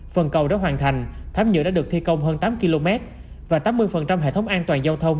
phần cầu đã hoàn thành thám nhựa đã được thi công hơn tám km và tám mươi hệ thống an toàn giao thông